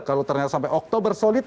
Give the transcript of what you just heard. kalau ternyata sampai oktober solid